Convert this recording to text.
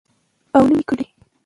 او نه مې کړى.